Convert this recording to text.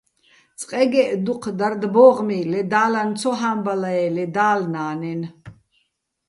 წყეგეჸ დუჴ დარდ-ბო́ღმი ლე და́ლან ცო ჰამბალაე ლე და́ლნა́ნენ.